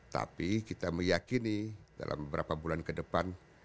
tapi kita meyakini dalam beberapa bulan ke depan